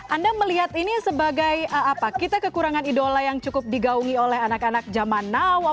anda melihat ini sebagai apa kita kekurangan idola yang cukup digaungi oleh anak anak zaman now